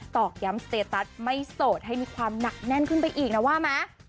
ตอกย้ำสเตตัสไม่โสดให้มีความหนักแน่นขึ้นไปอีกนะว่าไหม